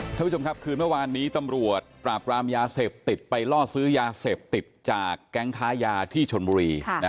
ท่านผู้ชมครับคืนเมื่อวานนี้ตำรวจปราบรามยาเสพติดไปล่อซื้อยาเสพติดจากแก๊งค้ายาที่ชนบุรี